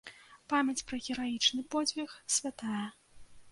Памяць пра гераічны подзвіг святая.